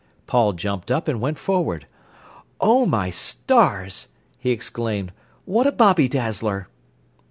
Paul jumped up and went forward. "Oh, my stars!" he exclaimed. "What a bobby dazzler!"